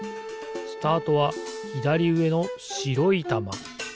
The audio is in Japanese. スタートはひだりうえのしろいたま。